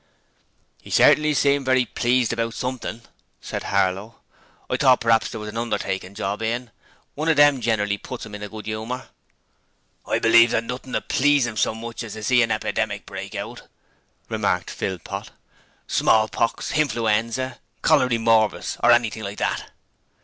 "' ''E certinly seemed very pleased about something,' said Harlow. 'I thought prap's there was a undertaking job in: one o' them generally puts 'im in a good humour.' 'I believe that nothing would please 'im so much as to see a epidemic break out,' remarked Philpot. 'Small pox, Hinfluenza, Cholery morbus, or anything like that.'